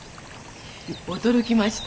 驚きました。